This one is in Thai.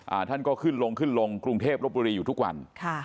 ท่านก็ขึ้นลงขึ้นลงกรุงเทพลบบุรีอยู่ทุกวันค่ะ